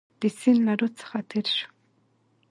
د سیند له رود څخه تېر شو.